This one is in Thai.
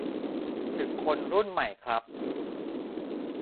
ถึงคนรุ่นใหม่ครับ